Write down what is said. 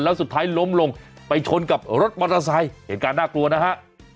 แล้วสุดท้ายล้มลงไปชนกับรถมอเตอร์ไซค์เหตุการณ์น่ากลัวนะฮะ